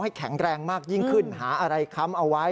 แข็งแรงมากยิ่งขึ้นหาอะไรค้ำเอาไว้